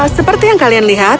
seperti yang kalian lihat